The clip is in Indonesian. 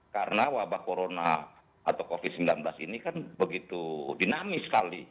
karena wabah corona atau covid sembilan belas ini kan begitu dinamis sekali